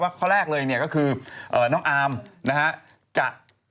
ว่าข้อแรกเลยก็คือน้องอาร์มจะ